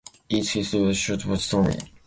Its history was short, but stormy.